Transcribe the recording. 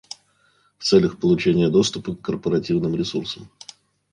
В целях получения доступа к корпоративным ресурсам